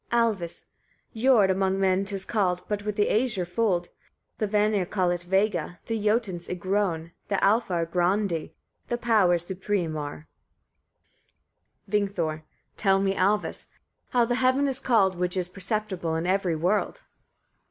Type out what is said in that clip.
Alvis. 11. Jord among men 'tis called, but with the Æsir fold; the Vanir call it vega, the Jotuns igroen, the Alfar groandi, the powers supreme aur. Vingthor. 12. Tell me, Alvis, etc. how the heaven is called, which is perceptible in every world.